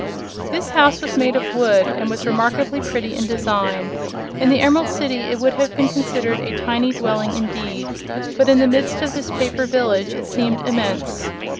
This house was made of wood, and was remarkably pretty in design. In the Emerald City it would have been considered a tiny dwelling, indeed; but in the midst of this paper village it seemed immense.